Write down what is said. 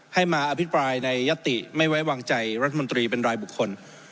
ให้มาอภิปรายในยติไม่ไว้วางใจรัฐมนตรีเป็นรายบุคคล